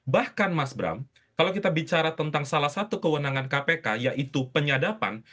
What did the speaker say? bahkan mas bram kalau kita bicara tentang salah satu kewenangan kpk yaitu penyadapan